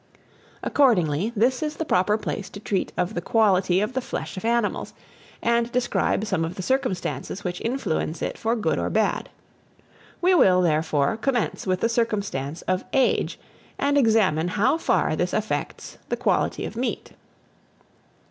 Accordingly, this is the proper place to treat of the quality of the flesh of animals, and describe some of the circumstances which influence it for good or bad. We will, therefore, commence with the circumstance of age, and examine how far this affects the quality of meat.